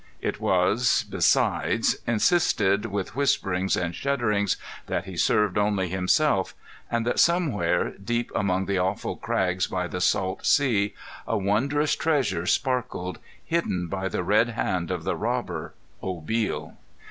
It was, besides, insisted with whisperings and shudderings that he served only himself, and that somewhere deep among the awful crags by the Salt Sea a wondrous treasure sparkled, hidden by the red hand of the robber, Obil.